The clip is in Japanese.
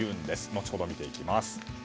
後ほど見ていきます。